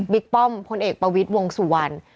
บิ๊กปอ้อมผลเอกประวิสวงสุวรรณ